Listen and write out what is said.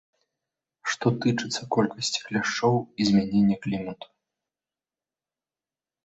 Што тычыцца колькасці кляшчоў і змянення клімату.